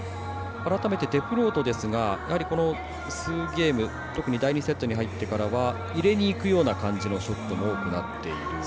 改めてデフロートですがここ数ゲーム特に第２セットに入ってからは入れにいくような感じのショットも多くなっている。